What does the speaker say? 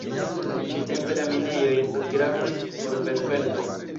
Ĉi-tempe la minejoj estas gravaj por vespertoj.